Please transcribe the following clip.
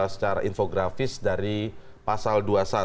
secara infografis dari pasal dua puluh satu